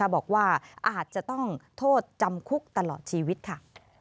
บอกว่าอาจจะต้องโทษจำคุกตลอดชีวิตค่ะ